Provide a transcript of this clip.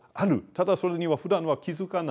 ただそれにはふだんは気付かない。